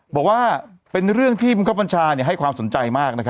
บอกว่าเป็นเรื่องที่บังคับบัญชาให้ความสนใจมาก